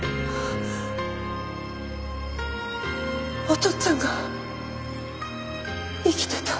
お父っつぁんが生きてた。